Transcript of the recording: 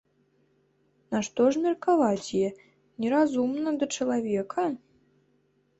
Нашто ж меркаваць яе, неразумную, да чалавека?